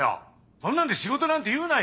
そんなんで仕事なんて言うなよ！